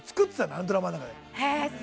あのドラマの中で。